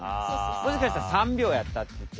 もしかしたら３秒やったっていって。